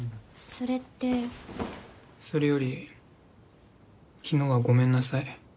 それってそれより昨日はごめんなさい